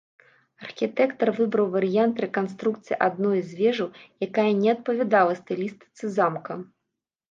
Архітэктар выбраў варыянт рэканструкцыі адной з вежаў, якая не адпавядала стылістыцы замка.